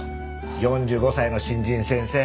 ４５歳の新人先生